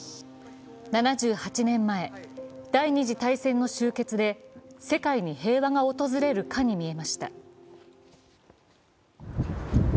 ７８年前、第二次大戦の終結で世界に平和が訪れるかに見えました。